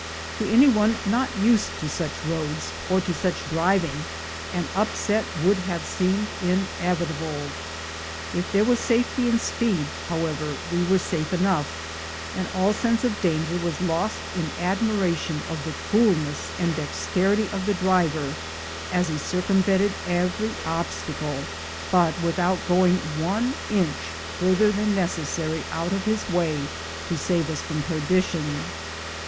To any one not used to such roads or to such driving, an upset would have seemed inevitable. If there was safety in speed, however, we were safe enough, and all sense of danger was lost in admira tion of the coolness and dexterity of the driver as he circumvented every obstacle, but without going one inch farther than necessary out of his way to save us from perdition.